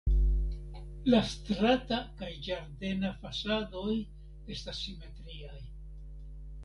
La strata kaj ĝardena fasadoj estas simetriaj.